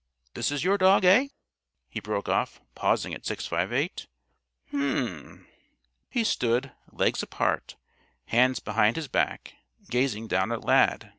This is your dog, hey?" he broke off, pausing at 658. "H'm!" He stood, legs apart, hands behind his back, gazing down at Lad.